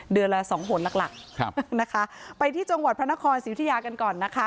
เดือนละสองหลงหลักนะคะไปที่จังหวัดพระนครสิวทิยากันก่อนนะคะ